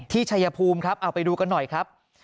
ชัยภูมิครับเอาไปดูกันหน่อยครับ